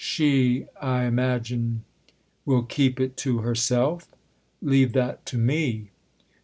" She, I imagine " "Will keep it to herself? Leave that to me!"